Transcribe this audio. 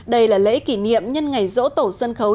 đây là lễ kỷ niệm nhân ngày dỗ tổ sân khấu